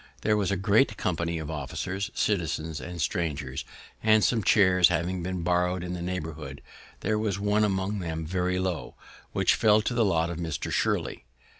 There was a great company of officers, citizens, and strangers, and, some chairs having been borrowed in the neighborhood, there was one among them very low, which fell to the lot of Mr. Shirley.